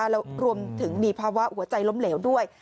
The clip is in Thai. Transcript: แล้วรวมถึงมีภาวะหัวใจล้มเหลวด้วย